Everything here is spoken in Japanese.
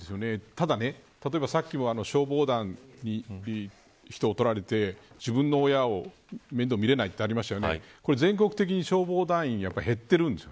ただね、さっきの消防団に人を取られて自分の親を面倒見れないとありましたけどこれ、全国的に消防団員が減ってるんです。